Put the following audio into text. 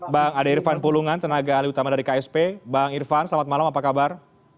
bang ade irfan pulungan tenaga alih utama dari ksp bang irfan selamat malam apa kabar